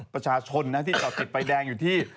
ประชาชนนะที่จอดติดไฟแดงอยู่ที่